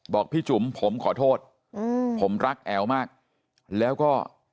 บอกพี่จุ๋มผมขอโทษผมรักแอวมากแล้วก็